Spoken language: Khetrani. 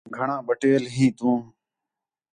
گھݨاں بَٹیل ہیں تُو